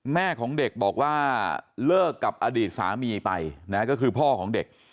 แม่ของเด็กบอกว่าเลิกกับอดีตสามีไปนะก็คือพ่อของเด็ก